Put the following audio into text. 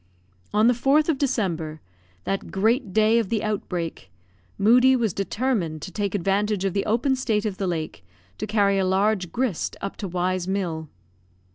On the 4th of December that great day of the outbreak Moodie was determined to take advantage of the open state of the lake to carry a large grist up to Y 's mill.